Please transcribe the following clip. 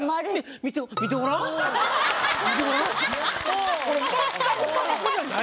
見てごらん。